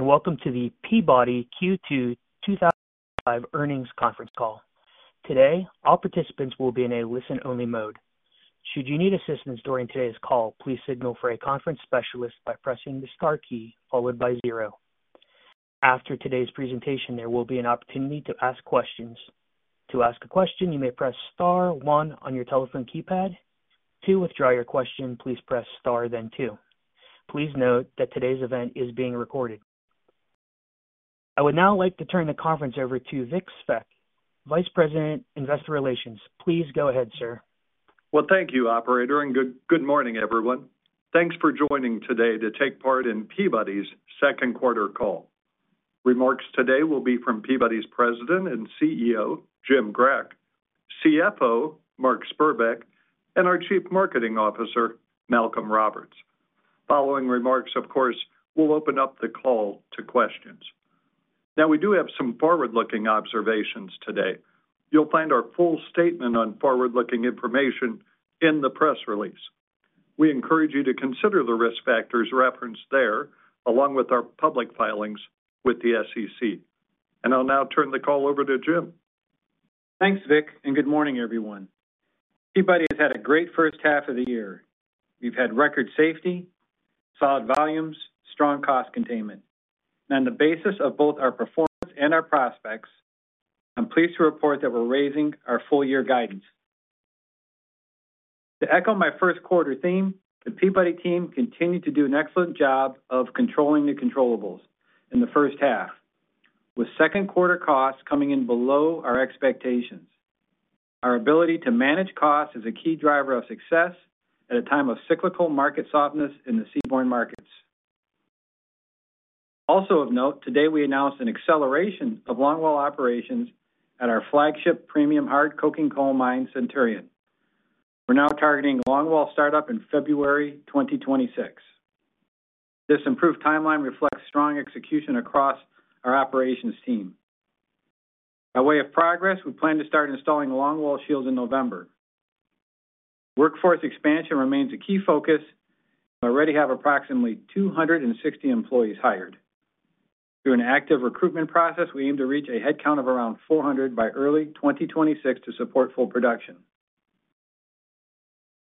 Welcome to the Peabody Energy Q2 2025 earnings conference call. Today, all participants will be in a listen-only mode. Should you need assistance during today's call, please signal for a conference specialist by pressing the star key followed by zero. After today's presentation, there will be an opportunity to ask questions. To ask a question, you may press star one on your telephone keypad. To withdraw your question, please press star then two. Please note that today's event is being recorded. I would now like to turn the conference over to Vic Svec, Vice President, Investor Relations. Please go ahead, sir. Thank you, operator, and good morning, everyone. Thanks for joining today to take part in Peabody Energy's second quarter call. Remarks today will be from Peabody Energy's President and CEO, Jim Grech, CFO, Mark Spurbeck, and our Chief Marketing Officer, Malcolm Roberts. Following remarks, of course, we'll open up the call to questions. We do have some forward-looking observations today. You'll find our full statement on forward-looking information in the press release. We encourage you to consider the risk factors referenced there, along with our public filings with the SEC. I'll now turn the call over to Jim. Thanks, Vic, and good morning, everyone. Peabody Energy has had a great first half of the year. We've had record safety, solid volumes, strong cost containment. On the basis of both our performance and our prospects, I'm pleased to report that we're raising our full-year guidance. To echo my first quarter theme, the Peabody team continued to do an excellent job of controlling the controllables in the first half, with second quarter costs coming in below our expectations. Our ability to manage costs is a key driver of success at a time of cyclical market softness in the seaborne coal markets. Also of note, today we announced an acceleration of Longwall operations at our flagship premium hard coking coal mine, Centurion Mine. We're now targeting Longwall startup in February 2026. This improved timeline reflects strong execution across our operations team. By way of progress, we plan to start installing longwall shields in November. Workforce expansion remains a key focus. We already have approximately 260 employees hired. Through an active recruitment process, we aim to reach a headcount of around 400 by early 2026 to support full production.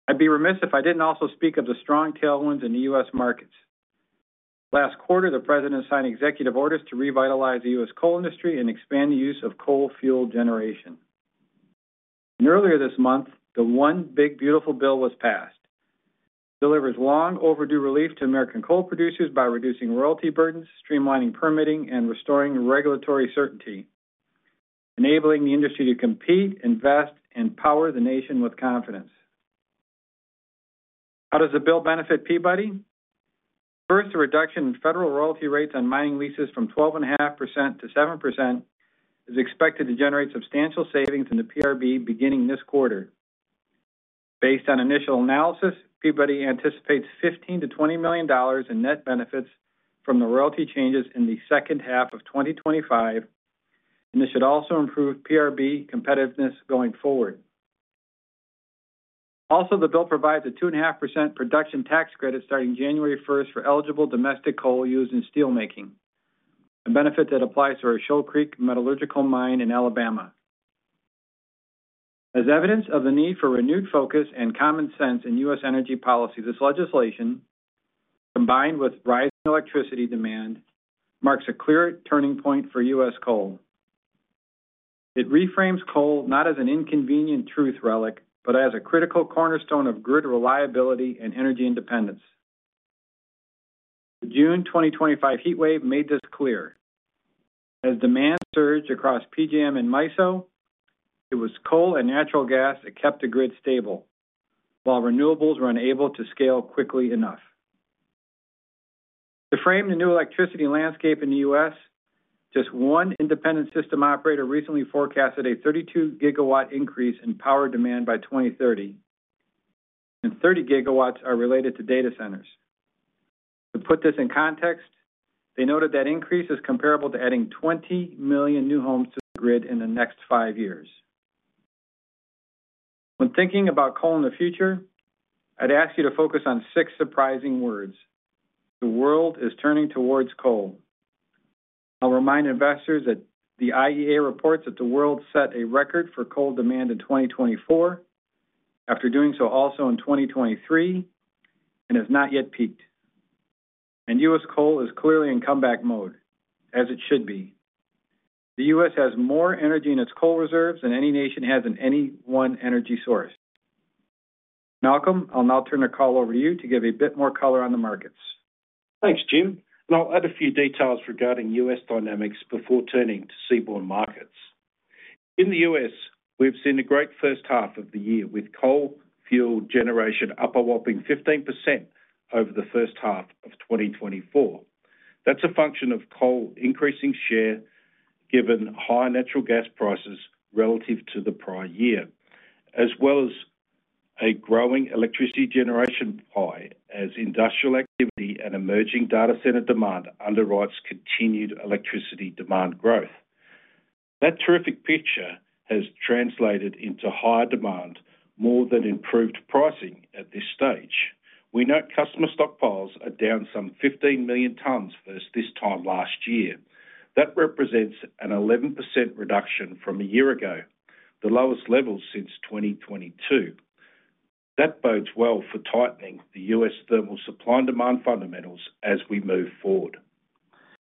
I'd be remiss if I didn't also speak of the strong tailwinds in the US markets. Last quarter, the President signed executive orders to revitalize the US coal industry and expand the use of coal fuel generation. Earlier this month, the One Big Beautiful Bill was passed. It delivers long-overdue relief to American coal producers by reducing royalty burdens, streamlining permitting, and restoring regulatory certainty, enabling the industry to compete, invest, and power the nation with confidence. How does the bill benefit Peabody Energy? First, a reduction in federal royalty rates on mining leases from 12.5% to 7% is expected to generate substantial savings in the Powder River Basin beginning this quarter. Based on initial analysis, Peabody Energy anticipates $15 million-$20 million in net benefits from the royalty changes in the second half of 2025, and this should also improve Powder River Basin competitiveness going forward. Also, the bill provides a 2.5% production tax credit starting January 1st for eligible domestic coal used in steelmaking, a benefit that applies to our Shoal Creek Metallurgical Mine in Alabama. As evidence of the need for renewed focus and common sense in US energy policy, this legislation, combined with rising electricity demand, marks a clear turning point for US coal. It reframes coal not as an inconvenient truth relic, but as a critical cornerstone of grid reliability and energy independence. The June 2025 heatwave made this clear. As demand surged across PGM and MISO, it was coal and natural gas that kept the grid stable, while renewables were unable to scale quickly enough. To frame the new electricity landscape in the U.S., just one independent system operator recently forecasted a 32 GW increase in power demand by 2030, and 30 GW are related to data centers. To put this in context, they noted that increase is comparable to adding 20 million new homes to the grid in the next five years. When thinking about coal in the future, I'd ask you to focus on six surprising words: the world is turning towards coal. I'll remind investors that the IEA reports that the world set a record for coal demand in 2024, after doing so also in 2023, and has not yet peaked. US coal is clearly in comeback mode, as it should be. The U.S. has more energy in its coal reserves than any nation has in any one energy source. Malcolm, I'll now turn the call over to you to give a bit more color on the markets. Thanks, Jim. I'll add a few details regarding US dynamics before turning to seaborne markets. In the U.S., we've seen a great first half of the year with coal-fueled generation up a whopping 15% over the first half of 2024. That's a function of coal increasing share, given high natural gas prices relative to the prior year, as well as a growing electricity generation pie, as industrial activity and emerging data center demand underwrites continued electricity demand growth. That terrific picture has translated into higher demand, more than improved pricing at this stage. We note customer stockpiles are down some 15 million tons versus this time last year. That represents an 11% reduction from a year ago, the lowest level since 2022. That bodes well for tightening the US thermal supply and demand fundamentals as we move forward.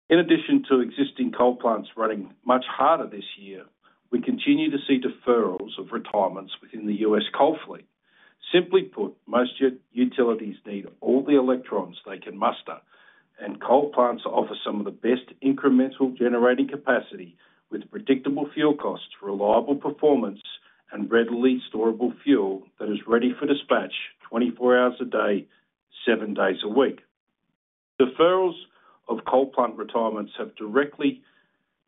In addition to existing coal plants running much harder this year, we continue to see deferrals of retirements within the US coal fleet. Simply put, most utilities need all the electrons they can muster, and coal plants offer some of the best incremental generating capacity with predictable fuel costs, reliable performance, and readily storable fuel that is ready for dispatch 24 hours a day, seven days a week. Deferrals of coal plant retirements have directly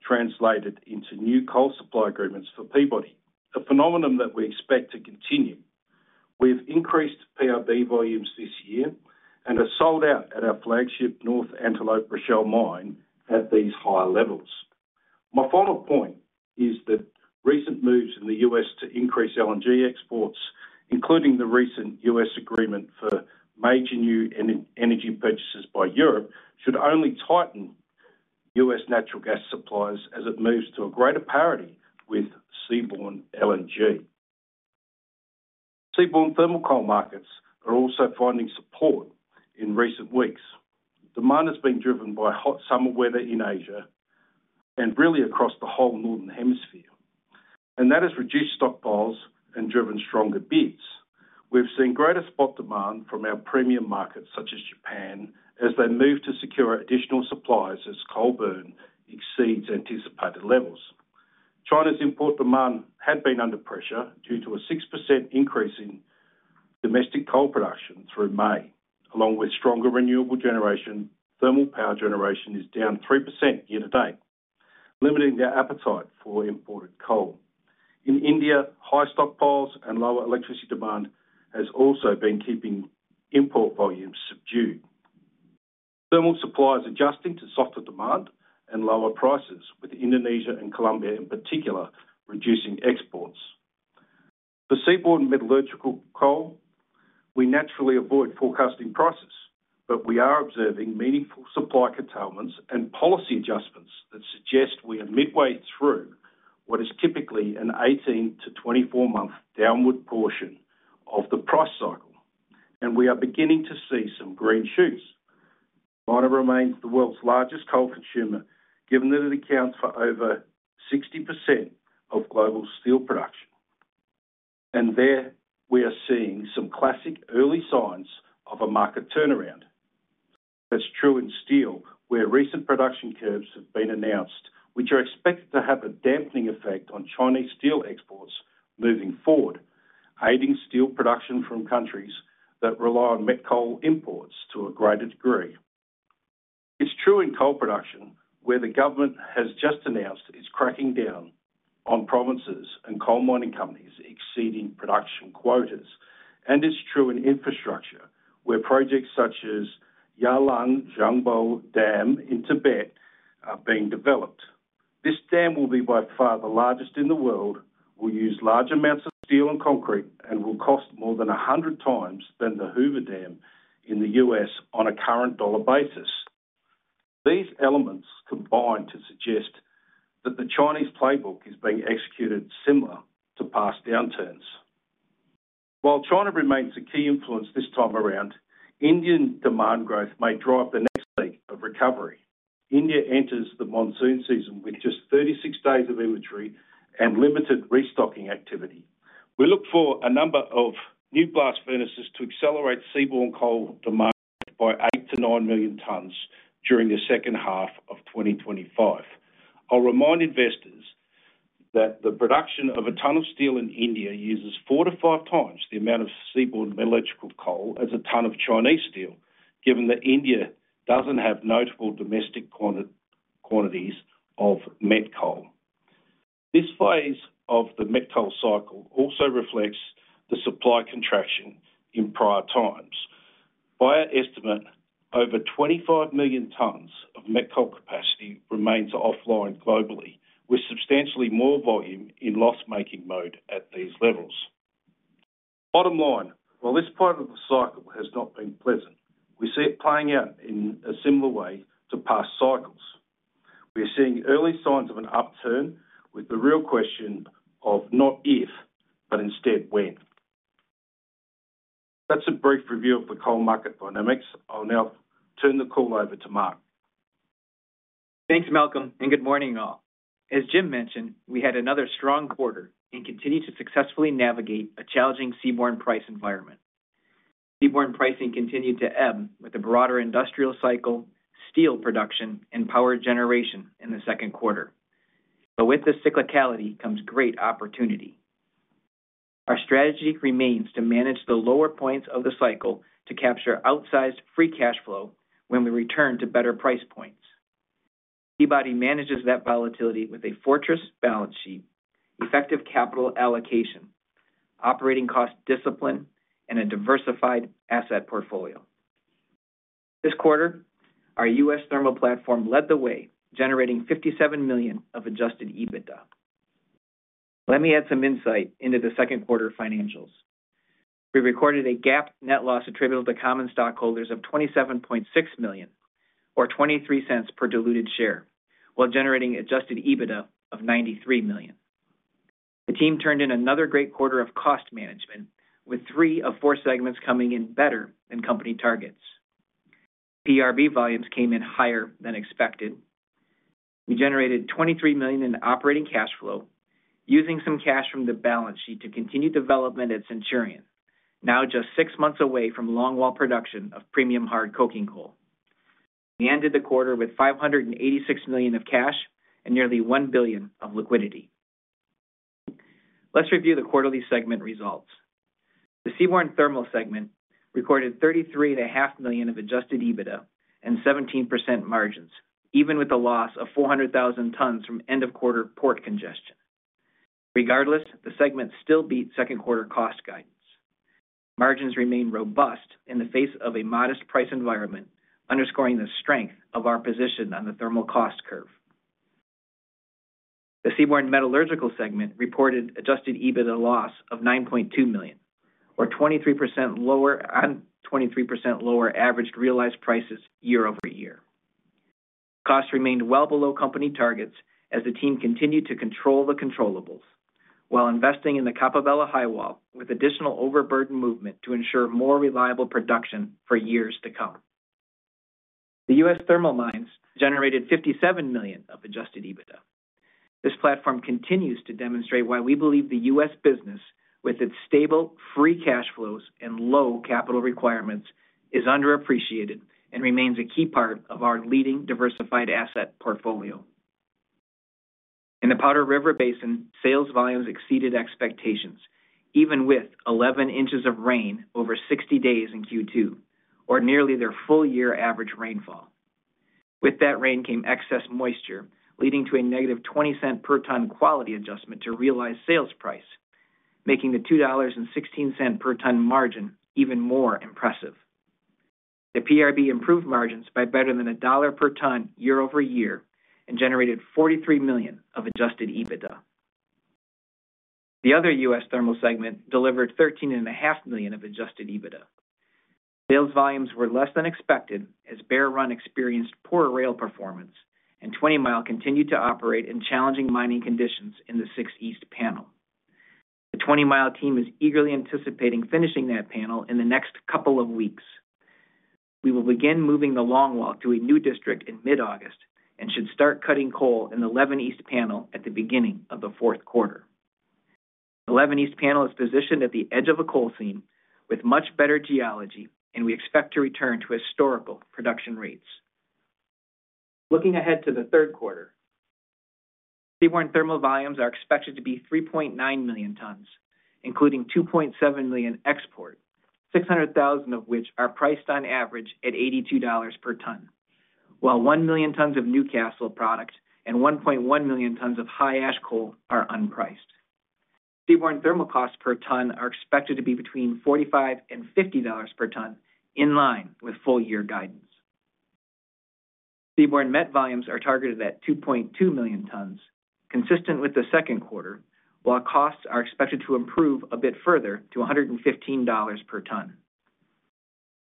translated into new coal supply agreements for Peabody Energy, a phenomenon that we expect to continue. We've increased PRB volumes this year and have sold out at our flagship North Antelope Rochelle Mine at these high levels. My final point is that recent moves in the U.S. to increase LNG exports, including the recent US agreement for major new energy purchases by Europe, should only tighten US natural gas supplies as it moves to a greater parity with seaborne LNG. Seaborne thermal coal markets are also finding support in recent weeks. Demand has been driven by hot summer weather in Asia and really across the whole northern hemisphere, and that has reduced stockpiles and driven stronger bids. We've seen greater spot demand from our premium markets such as Japan as they move to secure additional supplies as coal burn exceeds anticipated levels. China's import demand had been under pressure due to a 6% increase in domestic coal production through May. Along with stronger renewable generation, thermal power generation is down 3% year to date, limiting their appetite for imported coal. In India, high stockpiles and lower electricity demand have also been keeping import volumes subdued. Thermal supply is adjusting to softer demand and lower prices, with Indonesia and Colombia in particular reducing exports. For seaborne metallurgical coal, we naturally avoid forecasting prices, but we are observing meaningful supply curtailments and policy adjustments that suggest we are midway through what is typically an 18 to 24-month downward portion of the price cycle, and we are beginning to see some green shoots. China remains the world's largest coal consumer, given that it accounts for over 60% of global steel production. There we are seeing some classic early signs of a market turnaround. That's true in steel, where recent production curves have been announced, which are expected to have a dampening effect on Chinese steel exports moving forward, aiding steel production from countries that rely on met coal imports to a greater degree. It's true in coal production, where the government has just announced it's cracking down on provinces and coal mining companies exceeding production quotas. It's also true in infrastructure, where projects such as Yarlung Zangbo Dam in Tibet are being developed. This dam will be by far the largest in the world, will use large amounts of steel and concrete, and will cost more than 100 times the Hoover Dam in the U.S. on a current dollar basis. These elements combine to suggest that the Chinese playbook is being executed similar to past downturns. While China remains a key influence this time around, Indian demand growth may drive the next leg of recovery. India enters the monsoon season with just 36 days of imagery and limited restocking activity. We look for a number of new blast furnaces to accelerate seaborne coal demand by 8-9 million tons during the second half of 2025. I'll remind investors that the production of a ton of steel in India uses four to five times the amount of seaborne metallurgical coal as a ton of Chinese steel, given that India doesn't have notable domestic quantities of met coal. This phase of the met coal cycle also reflects the supply contraction in prior times. By our estimate, over 25 million tons of met coal capacity remains offline globally, with substantially more volume in loss-making mode at these levels. Bottom line, while this part of the cycle has not been pleasant, we see it playing out in a similar way to past cycles. We are seeing early signs of an upturn with the real question of not if, but instead when. That's a brief review of the coal market dynamics. I'll now turn the call over to Mark. Thanks, Malcolm, and good morning all. As Jim mentioned, we had another strong quarter and continued to successfully navigate a challenging seaborne price environment. Seaborne pricing continued to ebb with a broader industrial cycle, steel production, and power generation in the second quarter. With this cyclicality comes great opportunity. Our strategy remains to manage the lower points of the cycle to capture outsized free cash flow when we return to better price points. Peabody Energy manages that volatility with a fortress balance sheet, effective capital allocation, operating cost discipline, and a diversified asset portfolio. This quarter, our U.S. thermal platform led the way, generating $57 million of adjusted EBITDA. Let me add some insight into the second quarter financials. We recorded a GAAP net loss attributable to common stockholders of $27.6 million or $0.23 per diluted share, while generating adjusted EBITDA of $93 million. The team turned in another great quarter of cost management, with three of four segments coming in better than company targets. PRB volumes came in higher than expected. We generated $23 million in operating cash flow, using some cash from the balance sheet to continue development at Centurion, now just six months away from longwall production of premium hard-coking coal. We ended the quarter with $586 million of cash and nearly $1 billion of liquidity. Let's review the quarterly segment results. The seaborne thermal segment recorded $33.5 million of adjusted EBITDA and 17% margins, even with a loss of 400,000 tons from end-of-quarter port congestion. Regardless, the segment still beat second quarter cost guidance. Margins remain robust in the face of a modest price environment, underscoring the strength of our position on the thermal cost curve. The seaborne metallurgical segment reported adjusted EBITDA loss of $9.2 million, or 23% lower average realized prices year over year. Costs remained well below company targets as the team continued to control the controllables while investing in the Capobella highwall, with additional overburden movement to ensure more reliable production for years to come. The US thermal mines generated $57 million of adjusted EBITDA. This platform continues to demonstrate why we believe the US business, with its stable free cash flows and low capital requirements, is underappreciated and remains a key part of our leading diversified asset portfolio. In the Powder River Basin, sales volumes exceeded expectations, even with 11 inches of rain over 60 days in Q2, or nearly their full-year average rainfall. With that rain came excess moisture, leading to a negative $0.20 per ton quality adjustment to realized sales price, making the $2.16 per ton margin even more impressive. The PRB improved margins by better than a dollar per ton year over year and generated $43 million of adjusted EBITDA. The other US thermal segment delivered $13.5 million of adjusted EBITDA. Sales volumes were less than expected as Bear Run experienced poor rail performance, and Twentymile continued to operate in challenging mining conditions in the 6 East panel. The 20 Mile team is eagerly anticipating finishing that panel in the next couple of weeks. We will begin moving the longwall to a new district in mid-August and should start cutting coal in the 11 East panel at the beginning of the fourth quarter. The 11 East panel is positioned at the edge of a coal seam with much better geology, and we expect to return to historical production rates. Looking ahead to the third quarter, seaborne thermal volumes are expected to be 3.9 million tons, including 2.7 million export, 600,000 of which are priced on average at $82 per ton, while 1 million tons of Newcastle product and 1.1 million tons of high ash coal are unpriced. Seaborne thermal costs per ton are expected to be between $45 and $50 per ton, in line with full-year guidance. Seaborne met volumes are targeted at 2.2 million tons, consistent with the second quarter, while costs are expected to improve a bit further to $115 per ton.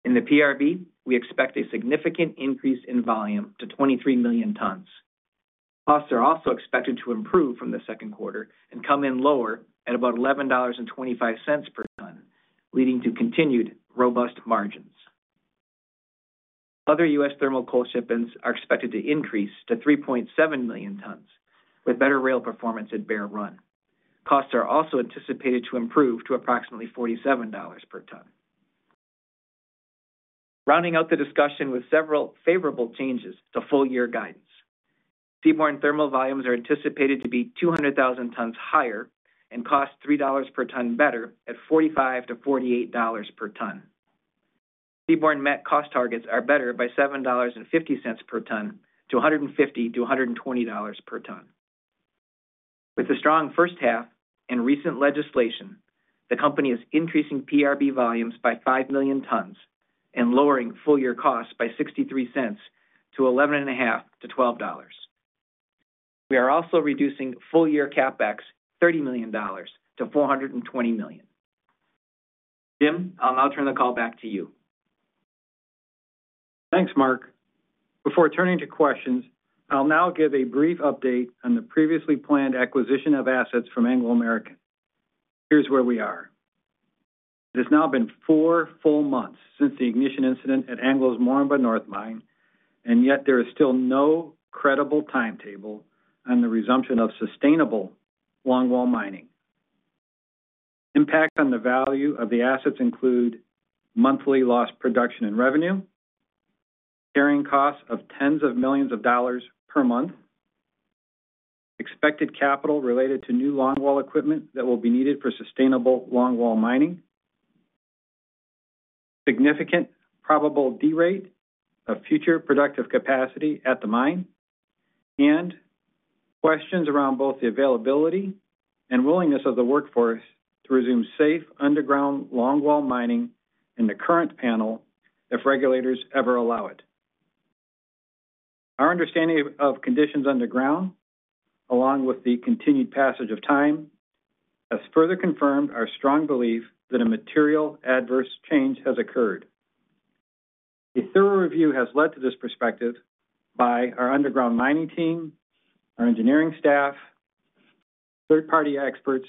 In the PRB, we expect a significant increase in volume to 23 million tons. Costs are also expected to improve from the second quarter and come in lower at about $11.25 per ton, leading to continued robust margins. Other US thermal coal shipments are expected to increase to 3.7 million tons, with better rail performance at Bear Run. Costs are also anticipated to improve to approximately $47 per ton. Rounding out the discussion with several favorable changes to full-year guidance. Seaborne thermal volumes are anticipated to be 200,000 tons higher and cost $3 per ton better at $45-$48 per ton. Seaborne met cost targets are better by $7.50 per ton to $150-$120 per ton. With a strong first half and recent legislation, the company is increasing PRB volumes by 5 million tons and lowering full-year costs by $0.63-$11.50 to $12. We are also reducing full-year CapEx $30 million-$420 million. Jim, I'll now turn the call back to you. Thanks, Mark. Before turning to questions, I'll now give a brief update on the previously planned acquisition of assets from Anglo American. Here's where we are. It has now been four full months since the ignition incident at Anglo American's Moranbah North mine, and yet there is still no credible timetable on the resumption of sustainable Longwall mining. Impact on the value of the assets includes monthly lost production and revenue, carrying costs of tens of millions of dollars per month, expected capital related to new longwall equipment that will be needed for sustainable longwall mining, significant probable derate of future productive capacity at the mine, and questions around both the availability and willingness of the workforce to resume safe underground Longwall mining in the current panel if regulators ever allow it. Our understanding of conditions underground, along with the continued passage of time, has further confirmed our strong belief that a material adverse change has occurred. A thorough review has led to this perspective by our underground mining team, our engineering staff, third-party experts,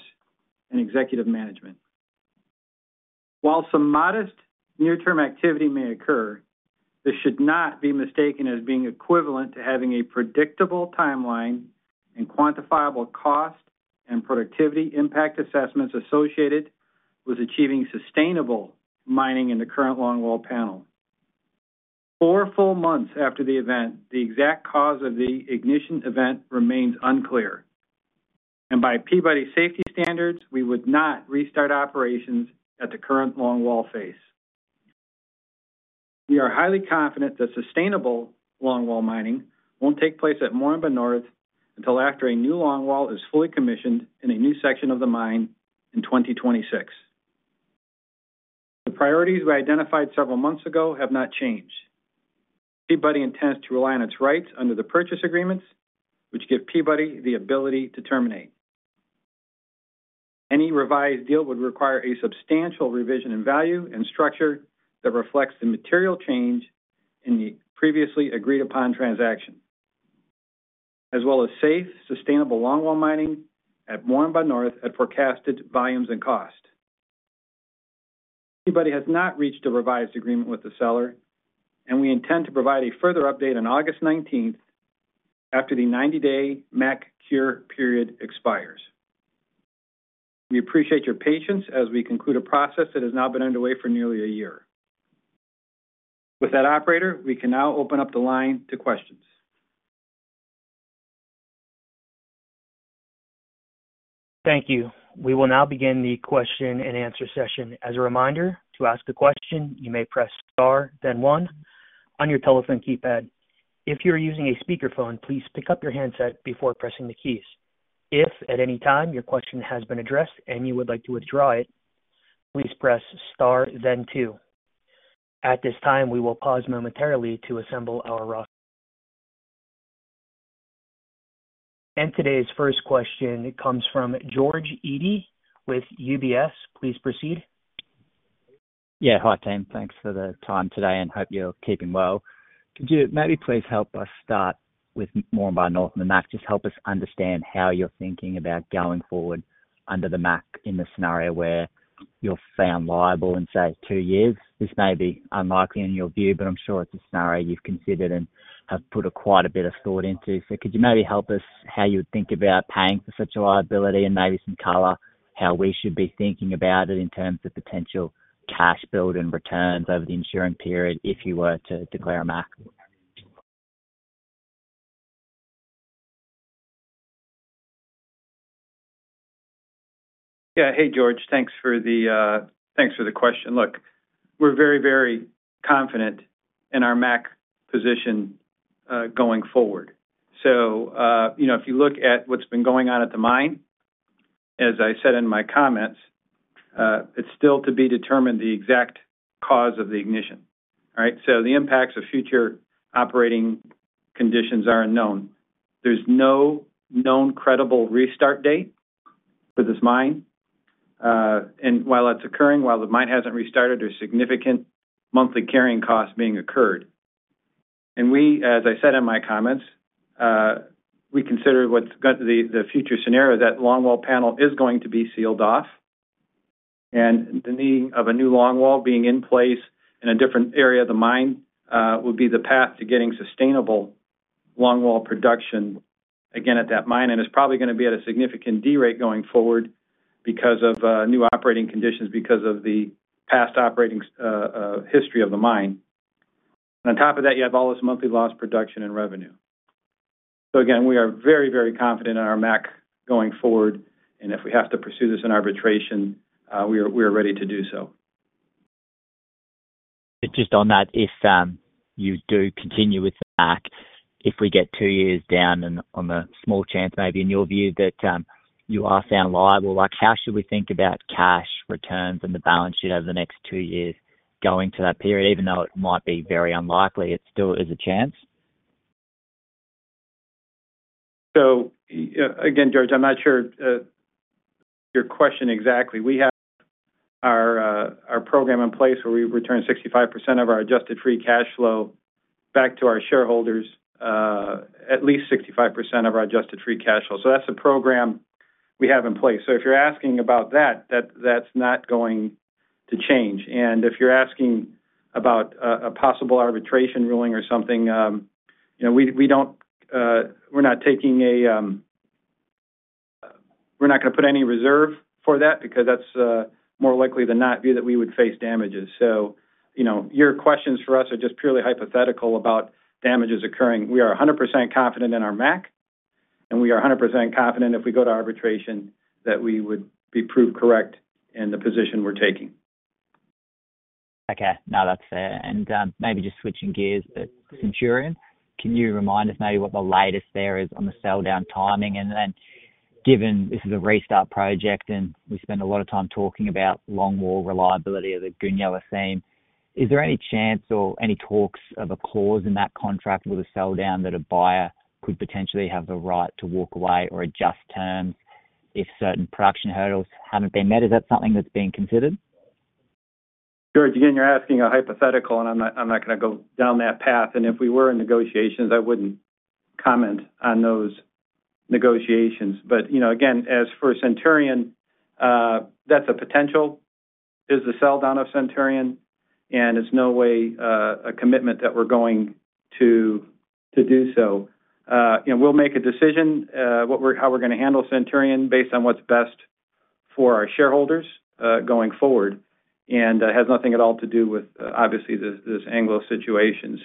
and executive management. While some modest near-term activity may occur, this should not be mistaken as being equivalent to having a predictable timeline and quantifiable cost and productivity impact assessments associated with achieving sustainable mining in the current longwall panel. Four full months after the event, the exact cause of the ignition event remains unclear, and by Peabody safety standards, we would not restart operations at the current longwall phase. We are highly confident that sustainable longwall mining won't take place at Moranbah North until after a new longwall is fully commissioned in a new section of the mine in 2026. The priorities we identified several months ago have not changed. Peabody intends to rely on its rights under the purchase agreements, which give Peabody the ability to terminate. Any revised deal would require a substantial revision in value and structure that reflects the material change in the previously agreed-upon transaction, as well as safe, sustainable longwall mining at Moranbah North at forecasted volumes and cost. Peabody has not reached a revised agreement with the seller, and we intend to provide a further update on August 19th after the 90-day MAC cure period expires. We appreciate your patience as we conclude a process that has now been underway for nearly a year. With that, operator, we can now open up the line to questions. Thank you. We will now begin the question and answer session. As a reminder, to ask a question, you may press star, then one, on your telephone keypad. If you're using a speakerphone, please pick up your handset before pressing the keys. If at any time your question has been addressed and you would like to withdraw it, please press star, then two. At this time, we will pause momentarily to assemble our roster. Today's first question comes from George Eady with UBS. Please proceed. Yeah, hi team. Thanks for the time today and hope you're keeping well. Could you maybe please help us start with Moranbah North and the MAC? Just help us understand how you're thinking about going forward under the MAC in the scenario where you're found liable in, say, two years. This may be unlikely in your view, but I'm sure it's a scenario you've considered and have put quite a bit of thought into. Could you maybe help us how you would think about paying for such a liability and maybe some color how we should be thinking about it in terms of potential cash build and returns over the insuring period if you were to declare a MAC? Yeah, hey George, thanks for the question. Look, we're very, very confident in our MAC position going forward. If you look at what's been going on at the mine, as I said in my comments, it's still to be determined the exact cause of the ignition. Right? The impacts of future operating conditions are unknown. There's no known credible restart date for this mine. While that's occurring, while the mine hasn't restarted, there's significant monthly carrying costs being incurred. As I said in my comments, we consider what's the future scenario that longwall panel is going to be sealed off. The need of a new longwall being in place in a different area of the mine would be the path to getting sustainable longwall production again at that mine. It's probably going to be at a significant derate going forward because of new operating conditions, because of the past operating history of the mine. On top of that, you have all this monthly lost production and revenue. Again, we are very, very confident in our MAC going forward. If we have to pursue this in arbitration, we are ready to do so. Just on that, if you do continue with the MAC, if we get two years down and on the small chance, maybe in your view that you are found liable, how should we think about cash returns and the balance sheet over the next two years going to that period? Even though it might be very unlikely, it still is a chance. George, I'm not sure your question exactly. We have our program in place where we return 65% of our adjusted free cash flow back to our shareholders, at least 65% of our adjusted free cash flow. That's a program we have in place. If you're asking about that, that's not going to change. If you're asking about a possible arbitration ruling or something, we don't, we're not going to put any reserve for that because it's more likely than not that we would face damages. Your questions for us are just purely hypothetical about damages occurring. We are 100% confident in our MAC, and we are 100% confident if we go to arbitration that we would be proved correct in the position we're taking. Okay, no, that's fair. Maybe just switching gears, Centurion, can you remind us maybe what the latest there is on the sell-down timing? Given this is a restart project and we spend a lot of time talking about longwall reliability as a Goonyella theme, is there any chance or any talks of a clause in that contract with a sell-down that a buyer could potentially have the right to walk away or adjust terms if certain production hurdles haven't been met? Is that something that's being considered? George, again, you're asking a hypothetical, and I'm not going to go down that path. If we were in negotiations, I wouldn't comment on those negotiations. As for Centurion, that's a potential. It is the sell-down of Centurion, and it's no way a commitment that we're going to do so. We'll make a decision how we're going to handle Centurion based on what's best for our shareholders going forward. It has nothing at all to do with, obviously, this Anglo situation.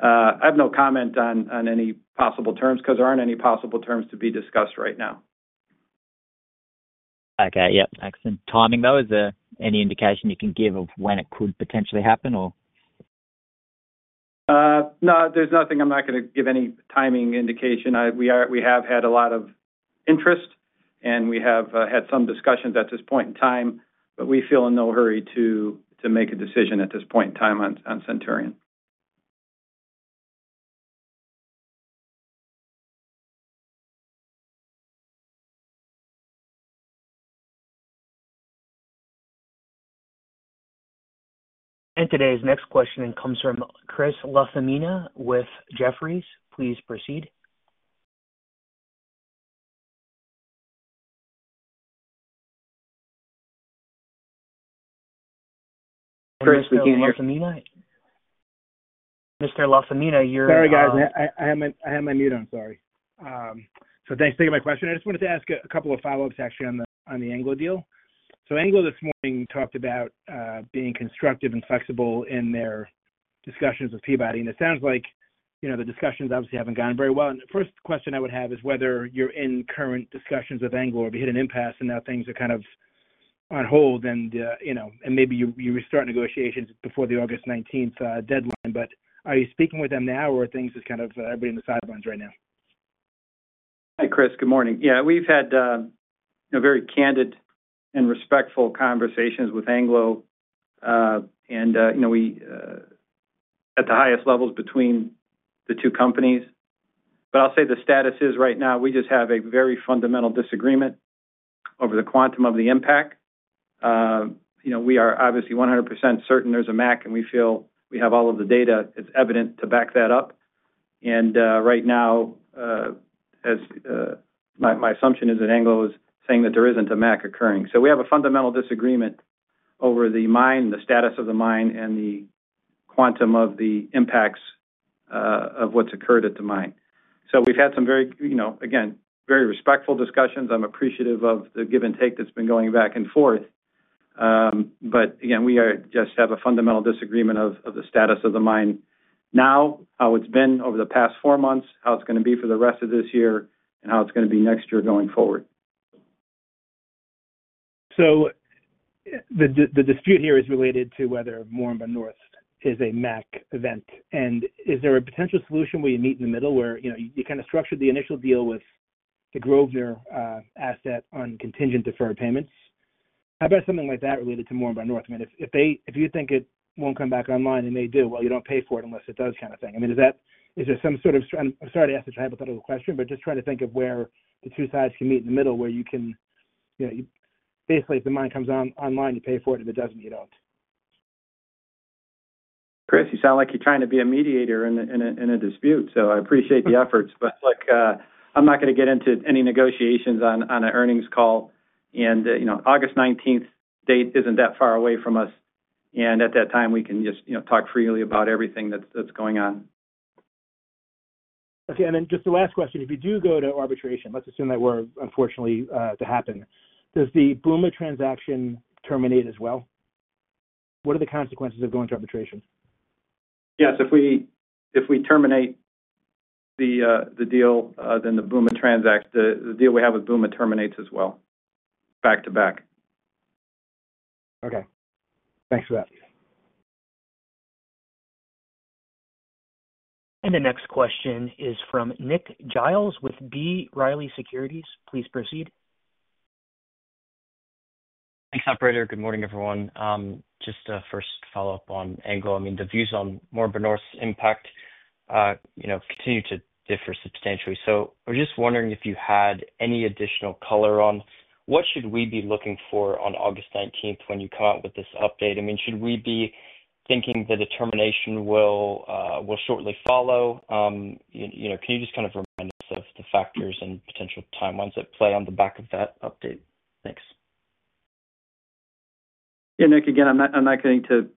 I have no comment on any possible terms because there aren't any possible terms to be discussed right now. Okay, excellent. Timing, though, is there any indication you can give of when it could potentially happen? No, there's nothing. I'm not going to give any timing indication. We have had a lot of interest, and we have had some discussions at this point in time, but we feel in no hurry to make a decision at this point in time on Centurion. Today's next question comes from Chris LaFemina with Jefferies. Please proceed. Mr. LaFemina, you're. Sorry, I had my mute on. Sorry. Thanks for taking my question. I just wanted to ask a couple of follow-ups, actually, on the Anglo deal. Anglo this morning talked about being constructive and flexible in their discussions with Peabody. It sounds like the discussions obviously haven't gone very well. The first question I would have is whether you're in current discussions with Anglo or have you hit an impasse and now things are kind of on hold, and maybe you restart negotiations before the August 19th deadline. Are you speaking with them now or are things just kind of everybody on the sidelines right now? Hi, Chris. Good morning. We've had very candid and respectful conversations with Anglo at the highest levels between the two companies. I'll say the status is right now, we just have a very fundamental disagreement over the quantum of the impact. We are obviously 100% certain there's a MAC, and we feel we have all of the data. It's evident to back that up. Right now, my assumption is that Anglo is saying that there isn't a MAC occurring. We have a fundamental disagreement over the mine, the status of the mine, and the quantum of the impacts of what's occurred at the mine. We've had some very respectful discussions. I'm appreciative of the give and take that's been going back and forth. We just have a fundamental disagreement of the status of the mine now, how it's been over the past four months, how it's going to be for the rest of this year, and how it's going to be next year going forward. The dispute here is related to whether Moranbah North is a MAC event. Is there a potential solution where you meet in the middle, where you kind of structured the initial deal with the Grosvenor asset on contingent deferred payments? How about something like that related to Moranbah North? I mean, if you think it won't come back online, it may do, while you don't pay for it unless it does, kind of thing. Is there some sort of, I'm sorry to ask such a hypothetical question, but just trying to think of where the two sides can meet in the middle, where you can basically, if the mine comes online, you pay for it. If it doesn't, you don't. Chris, you sound like you're trying to be a mediator in a dispute. I appreciate the efforts, but I'm not going to get into any negotiations on an earnings call. August 19th date isn't that far away from us, and at that time, we can just talk freely about everything that's going on. Okay. Just the last question. If you do go to arbitration, let's assume that were unfortunately to happen, does the BUMA transaction terminate as well? What are the consequences of going to arbitration? Yes. If we terminate the deal, then the BUMA transaction, the deal we have with BUMA, terminates as well, back to back. Okay, thanks for that. The next question is from Nick Giles with B. Riley Securities. Please proceed. Thanks, operator. Good morning, everyone. Just a first follow-up on Anglo. I mean, the views on Moranbah North's impact, you know, continue to differ substantially. I was just wondering if you had any additional color on what should we be looking for on August 19th when you come out with this update. I mean, should we be thinking the determination will shortly follow? Can you just kind of remind us of the factors and potential timelines that play on the back of that update? Thanks. Yeah, Nick, again, I'm not going to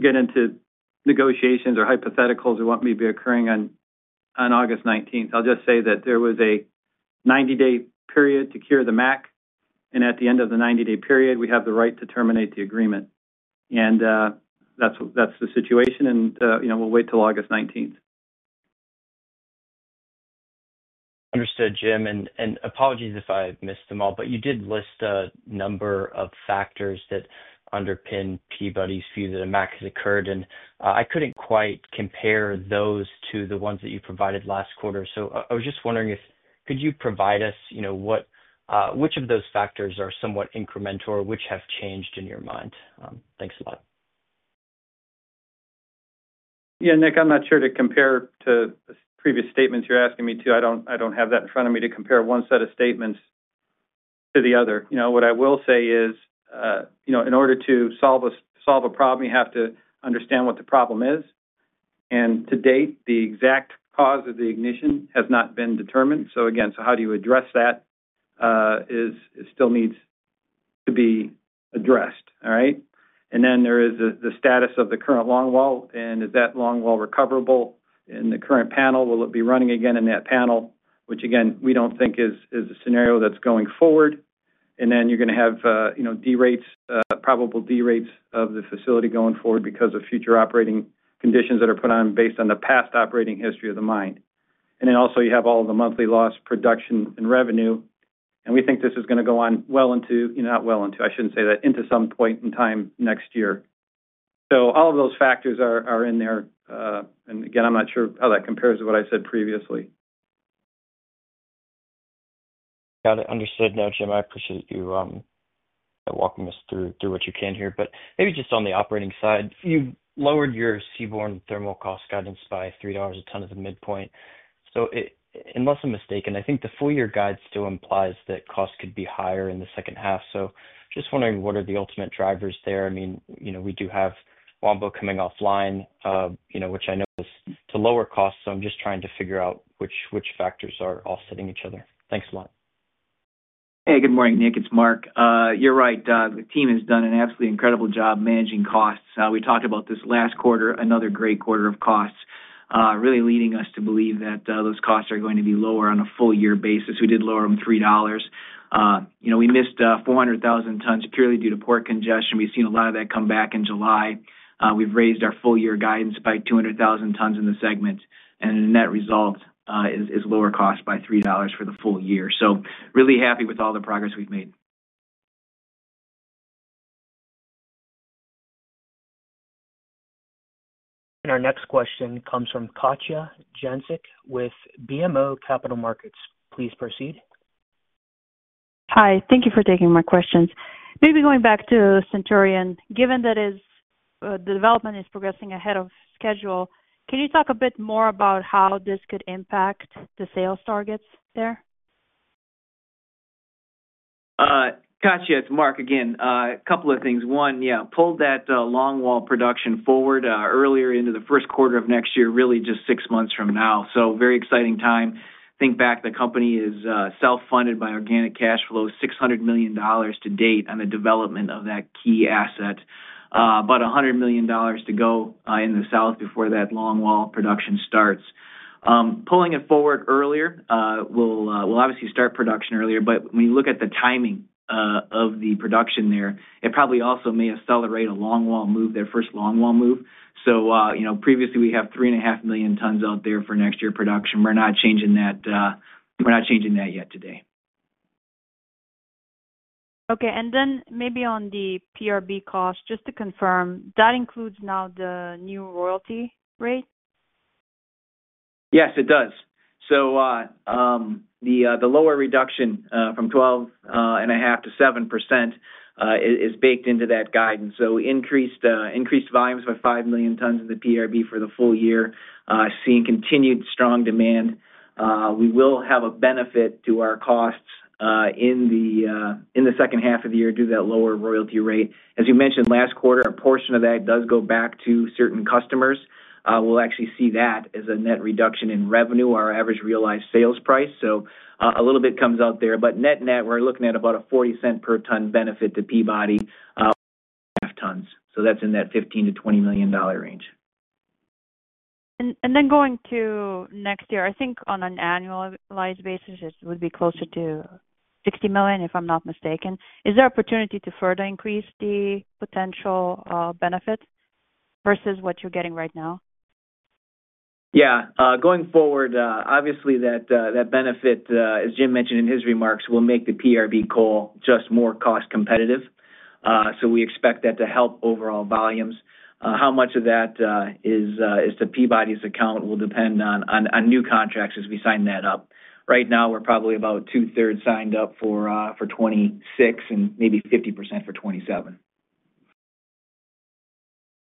get into negotiations or hypotheticals or what may be occurring on August 19th. I'll just say that there was a 90-day period to cure the MAC, and at the end of the 90-day period, we have the right to terminate the agreement. That's the situation. You know, we'll wait till August 19th. Understood, Jim. Apologies if I missed them all, but you did list a number of factors that underpin Peabody Energy's view that a MAC has occurred. I could not quite compare those to the ones that you provided last quarter. I was just wondering if you could provide us which of those factors are somewhat incremental or which have changed in your mind. Thanks a lot. Yeah, Nick, I'm not sure to compare to previous statements you're asking me to. I don't have that in front of me to compare one set of statements to the other. What I will say is, in order to solve a problem, you have to understand what the problem is. To date, the exact cause of the ignition has not been determined. How you address that still needs to be addressed, all right? There is the status of the current longwall. Is that longwall recoverable in the current panel? Will it be running again in that panel, which we don't think is a scenario that's going forward? You're going to have probable derates of the facility going forward because of future operating conditions that are put on based on the past operating history of the mine. Also, you have all of the monthly lost production and revenue. We think this is going to go on into some point in time next year. All of those factors are in there. I'm not sure how that compares to what I said previously. Got it. Understood. No, Jim, I appreciate you walking us through what you can here. Maybe just on the operating side, you've lowered your seaborne thermal cost guidance by $3 a ton as a midpoint. Unless I'm mistaken, I think the full-year guide still implies that costs could be higher in the second half. I'm just wondering, what are the ultimate drivers there? I mean, you know, we do have Wamba coming offline, which I know is to lower costs. I'm just trying to figure out which factors are offsetting each other. Thanks a lot. Hey, good morning, Nick. It's Mark. You're right, Doug. The team has done an absolutely incredible job managing costs. We talked about this last quarter, another great quarter of costs, really leading us to believe that those costs are going to be lower on a full-year basis. We did lower them $3. We missed 400,000 tons purely due to port congestion. We've seen a lot of that come back in July. We've raised our full-year guidance by 200,000 tons in the segment. The net result is lower costs by $3 for the full year. Really happy with all the progress we've made. Our next question comes from Katja Jancic with BMO Capital Markets. Please proceed. Hi. Thank you for taking my questions. Maybe going back to Centurion, given that the development is progressing ahead of schedule, can you talk a bit more about how this could impact the sales targets there? Katja, it's Mark again. A couple of things. One, yeah, pulled that longwall production forward earlier into the first quarter of next year, really just six months from now. Very exciting time. Think back, the company is self-funded by organic cash flow, $600 million to date on the development of that key asset. About $100 million to go in the south before that longwall production starts. Pulling it forward earlier will obviously start production earlier. When you look at the timing of the production there, it probably also may accelerate a longwall move, their first longwall move. Previously, we have 3.5 million tons out there for next year production. We're not changing that yet today. Okay. Maybe on the PRB cost, just to confirm, that includes now the new royalty rate? Yes, it does. The lower reduction from 12.5% to 7% is baked into that guidance. Increased volumes by 5 million tons of the PRB for the full year, seeing continued strong demand. We will have a benefit to our costs in the second half of the year due to that lower royalty rate. As you mentioned, last quarter, a portion of that does go back to certain customers. We'll actually see that as a net reduction in revenue, our average realized sales price. A little bit comes out there. Net-net, we're looking at about a $0.40 per ton benefit to Peabody half tons. That's in that $15-$20 million range. Going to next year, I think on an annualized basis, it would be closer to $60 million if I'm not mistaken. Is there an opportunity to further increase the potential benefit versus what you're getting right now? Yeah. Going forward, obviously, that benefit, as Jim mentioned in his remarks, will make the PRB coal just more cost-competitive. We expect that to help overall volumes. How much of that is to Peabody's account will depend on new contracts as we sign that up. Right now, we're probably about 2/3 signed up for 2026 and maybe 50% for 2027.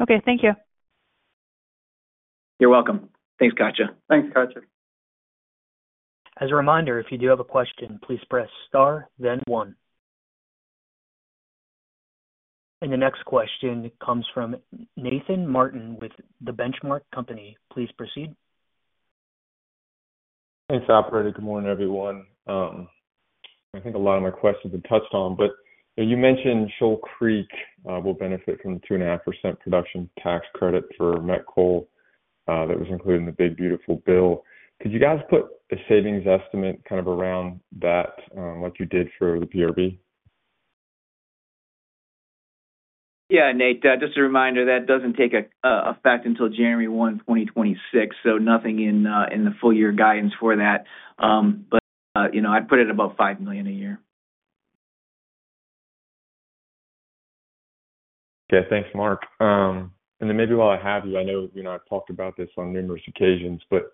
Okay, thank you. You're welcome. Thanks, Katja. Thanks, Katya. As a reminder, if you do have a question, please press star, then one. The next question comes from Nathan Martin with The Benchmark Company. Please proceed. Thanks, operator. Good morning, everyone. I think a lot of my questions have been touched on, but you mentioned Shoal Creek will benefit from the 2.5% production tax credit for met coal that was included in the One Big Beautiful Bill. Could you guys put a savings estimate kind of around that like you did for the PRB? Yeah, Nate. Just a reminder, that doesn't take effect until January 1, 2026. Nothing in the full-year guidance for that. I'd put it at about $5 million a year. Okay. Thanks, Mark. Maybe while I have you, I know you and I have talked about this on numerous occasions, but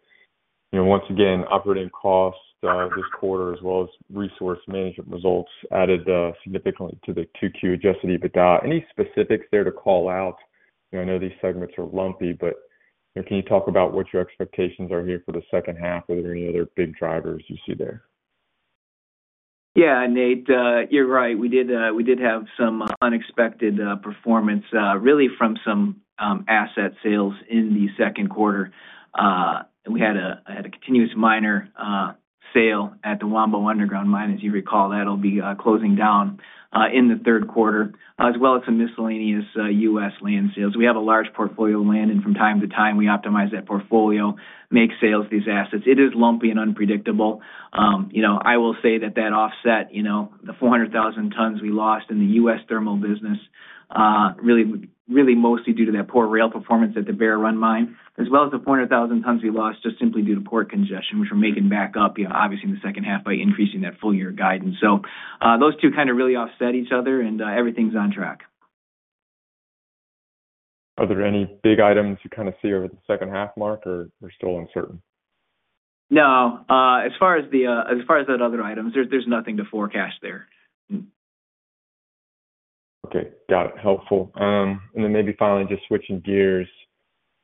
once again, operating costs this quarter, as well as resource management results, added significantly to the Q2 adjusted EBITDA. Any specifics there to call out? I know these segments are lumpy, but can you talk about what your expectations are here for the second half? Are there any other big drivers you see there? Yeah, Nate. You're right. We did have some unexpected performance, really from some asset sales in the second quarter. We had a continuous miner sale at the Wambo Underground Mine. As you recall, that'll be closing down in the third quarter, as well as some miscellaneous US land sales. We have a large portfolio of land, and from time to time, we optimize that portfolio, make sales of these assets. It is lumpy and unpredictable. I will say that that offset the 400,000 tons we lost in the US thermal business, really, really mostly due to that poor rail performance at the Bear Run Mine, as well as the 400,000 tons we lost just simply due to port congestion, which we're making back up, obviously in the second half by increasing that full-year guidance. Those two kind of really offset each other, and everything's on track. Are there any big items you kind of see over the second half, Mark, or still uncertain? No. As far as the other items, there's nothing to forecast there. Okay. Got it. Helpful. Maybe finally, just switching gears,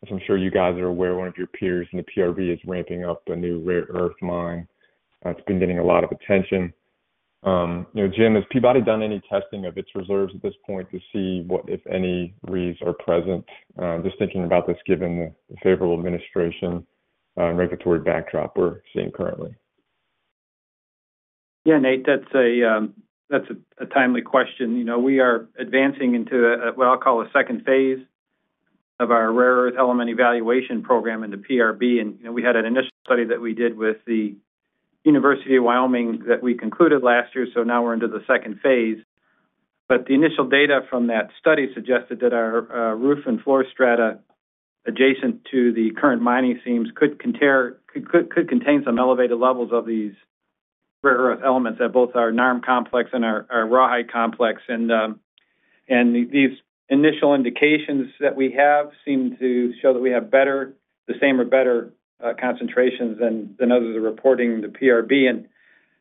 as I'm sure you guys are aware, one of your peers in the Powder River Basin (PRB) is ramping up a new rare earth mine. It's been getting a lot of attention. You know, Jim, has Peabody done any testing of its reserves at this point to see what, if any, rare earth elements are present? Just thinking about this, given the favorable administration and regulatory backdrop we're seeing currently. Yeah, Nate. That's a timely question. We are advancing into what I'll call a second phase of our rare earth element evaluation program in the PRB. We had an initial study that we did with the University of Wyoming that we concluded last year. Now we're into the second phase. The initial data from that study suggested that our roof and floor strata adjacent to the current mining seams could contain some elevated levels of these rare earth elements at both our NARM complex and our RAHI complex. These initial indications that we have seem to show that we have the same or better concentrations than others are reporting in the PRB.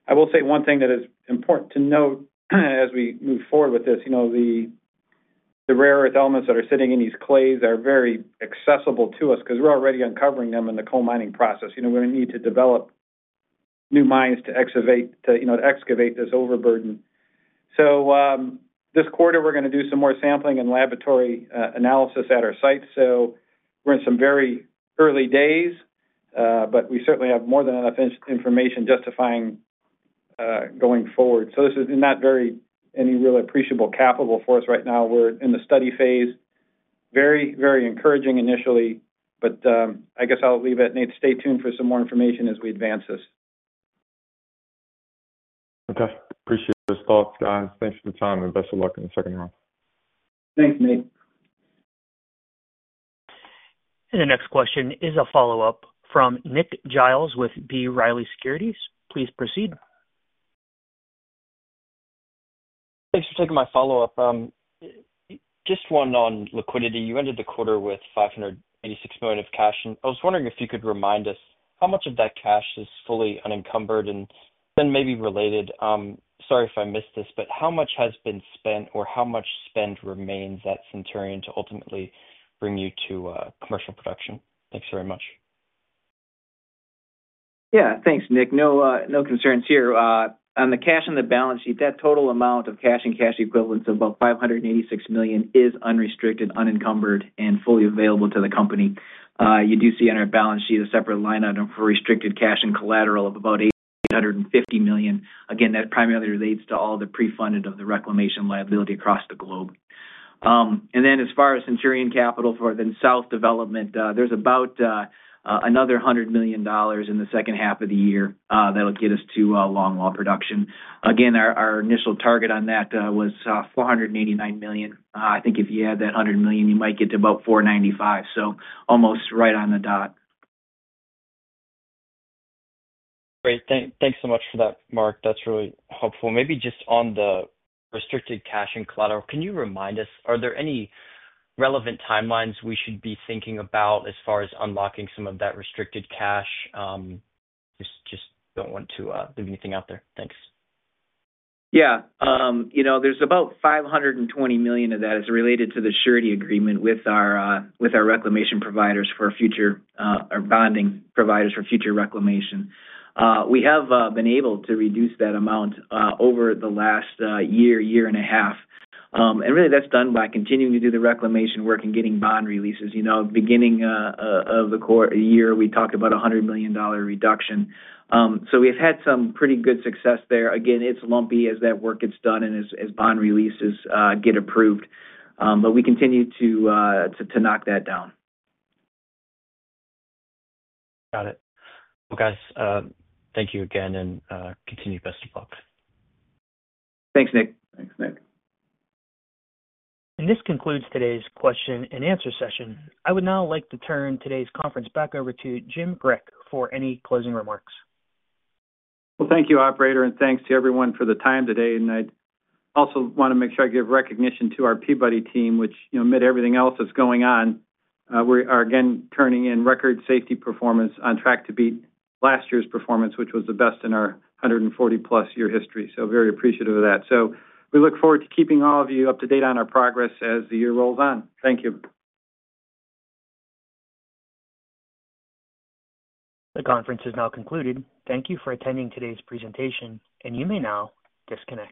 I will say one thing that is important to note as we move forward with this. The rare earth elements that are sitting in these clays are very accessible to us because we're already uncovering them in the coal mining process. We don't need to develop new mines to excavate this overburden. This quarter, we're going to do some more sampling and laboratory analysis at our site. We're in some very early days, but we certainly have more than enough information justifying going forward. This is not any real appreciable capital for us right now. We're in the study phase. Very, very encouraging initially, but I guess I'll leave it, Nate. Stay tuned for some more information as we advance this. Okay. Appreciate those thoughts, guys. Thanks for the time and best of luck in the second round. Thanks, Nate. The next question is a follow-up from Nick Giles with B. Riley Securities. Please proceed. Thanks for taking my follow-up. Just one on liquidity. You ended the quarter with $586 million of cash. I was wondering if you could remind us how much of that cash is fully unencumbered, and then maybe related, sorry if I missed this, but how much has been spent or how much spend remains at Centurion to ultimately bring you to commercial production? Thanks very much. Yeah, thanks, Nick. No concerns here. On the cash on the balance sheet, that total amount of cash and cash equivalents of about $586 million is unrestricted, unencumbered, and fully available to the company. You do see on our balance sheet a separate line item for restricted cash and collateral of about $850 million. That primarily relates to all the pre-funded of the reclamation liability across the globe. As far as Centurion capital for the south development, there's about another $100 million in the second half of the year that'll get us to longwall production. Our initial target on that was $489 million. I think if you add that $100 million, you might get to about $495 million. Almost right on the dot. Great. Thanks so much for that, Mark. That's really helpful. Maybe just on the restricted cash and collateral, can you remind us, are there any relevant timelines we should be thinking about as far as unlocking some of that restricted cash? Just don't want to leave anything out there. Thanks. Yeah. You know, about $520 million of that is related to the surety agreement with our reclamation providers or bonding providers for future reclamation. We have been able to reduce that amount over the last year, year and a half. That's done by continuing to do the reclamation work and getting bond releases. Beginning of the quarter year, we talked about a $100 million reduction. We've had some pretty good success there. It's lumpy as that work gets done and as bond releases get approved. We continue to knock that down. Thank you again and continue best of luck. Thanks, Nick. Thanks, Nick. This concludes today's question and answer session. I would now like to turn today's conference back over to Jim Grech for any closing remarks. Thank you, operator, and thanks to everyone for the time today. I also want to make sure I give recognition to our Peabody team, which, you know, amid everything else that's going on, we are again turning in record safety performance on track to beat last year's performance, which was the best in our 140-plus year history. I am very appreciative of that. We look forward to keeping all of you up to date on our progress as the year rolls on. Thank you. The conference is now concluded. Thank you for attending today's presentation, and you may now disconnect.